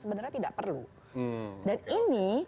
sebenarnya tidak perlu dan ini